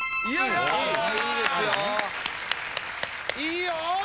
いいよ！